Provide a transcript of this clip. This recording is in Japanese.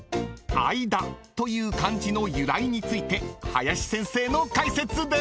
［間という漢字の由来について林先生の解説です］